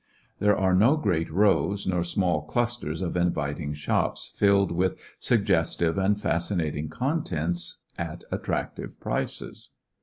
There are no great rows nor small clusters of inviting shops filled with suggestive and fascinating contents at attractive prices.